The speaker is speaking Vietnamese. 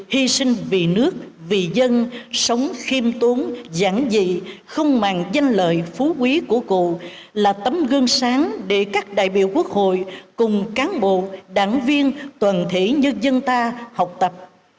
hy sinh vì nước vì dân sống khiêm tốn giảng dị không màng danh lợi phú quý của cụ là tấm gương sáng để các đại biểu quốc hội cùng cán bộ đảng viên toàn thể nhân dân ta học tập